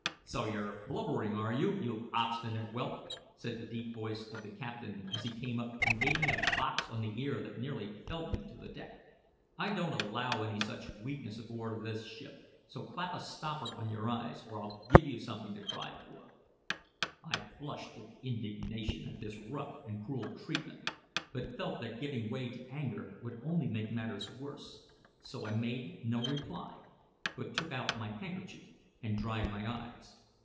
"So you're blubbering, are you, you obstinate whelp?" said the deep voice of the captain as he came up and gave me a box on the ear that nearly felled me to the deck. "I don't allow any such weakness aboard o' this ship. So clap a stopper on your eyes, or I'll give you something to cry for." I flushed with indignation at this rough and cruel treatment, but felt that giving way to anger would only make matters worse; so I made no reply, but took out my handkerchief and dried my eyes.